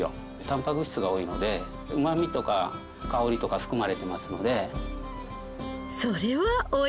たんぱく質が多いのでうまみとか香りとか含まれてますので。